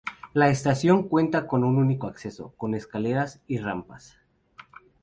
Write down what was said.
La estación cuenta con un único acceso, con escaleras y rampas.